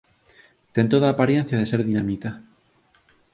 Ten toda a aparencia de ser dinamita